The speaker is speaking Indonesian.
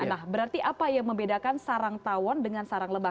nah berarti apa yang membedakan sarang tawon dengan sarang lebah